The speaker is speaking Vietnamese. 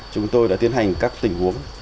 chúng tôi đã tiến hành các tình huống